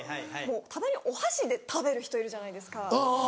たまにお箸で食べる人いるじゃないですか。